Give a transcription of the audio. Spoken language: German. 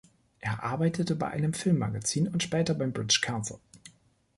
Er arbeitete bei einem Film-Magazin und später beim "British Council.